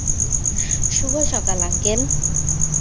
শুভ সকাল, আঙ্কেল।